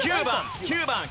９番９番。